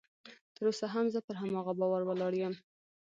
تر اوسه هم زه پر هماغه باور ولاړ یم